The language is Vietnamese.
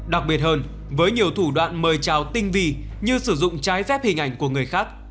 đặc biệt hơn với nhiều thủ đoạn mời trào tinh vi như sử dụng trái phép hình ảnh của người khác